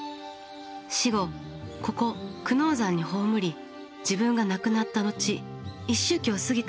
死後ここ久能山に葬り自分が亡くなったのち一周忌を過ぎた